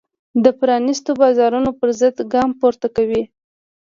د پرانیستو بازارونو پرضد ګام پورته کوي.